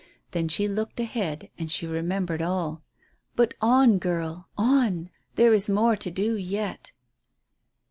Then she looked ahead and she remembered all. "But on, girl, on. There is more to do yet."